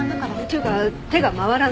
っていうか手が回らない。